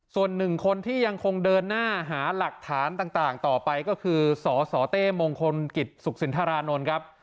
ส่วนหนึ่งคนที่ยังคงเดินหน้าหาหลักฐานต่างต่อไปก็คือสสเต้มงคลกิจสุขสินทรานนท์ครับ